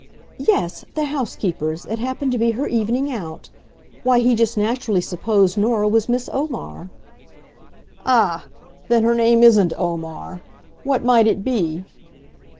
"Yes the housekeeper's, it happened to be her evening out why, he just naturally supposed Nora was Miss Omar." "Ah! then her name isn't Omar. What might it be?"